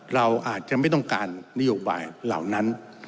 เราอาจจะไม่ต้องการนโยบายเหล่านั้น